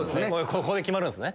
ここで決まるんすね。